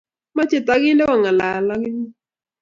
Mochei tokinde kong'al ak inye.